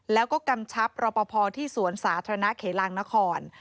แล้วก็กำชับรอปภที่สวนสาธารณะเขลางนคร